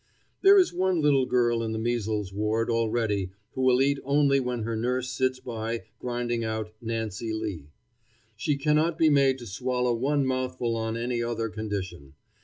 There is one little girl in the measles ward already who will eat only when her nurse sits by grinding out "Nancy Lee." She cannot be made to swallow one mouthful on any other condition.